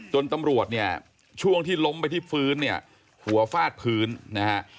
ตำรวจเนี่ยช่วงที่ล้มไปที่พื้นเนี่ยหัวฟาดพื้นนะฮะ